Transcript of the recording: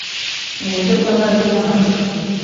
mu buryo bw’amajwi n’amashusho